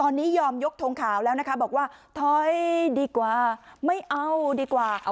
ตอนนี้ยอมยกทงขาวแล้วนะคะบอกว่าถอยดีกว่าไม่เอาดีกว่า